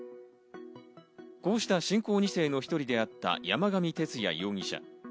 こうした信仰二世の１人であった山上徹也容疑者。